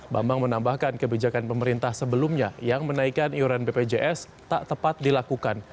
bambang menambahkan kebijakan pemerintah sebelumnya yang menaikkan iuran bpjs tak tepat dilakukan